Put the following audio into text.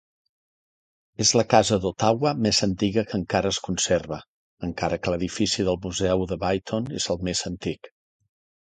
És la casa d'Ottawa més antiga que encara es conserva, encara que l'edifici del Museu de Bytown és més antic.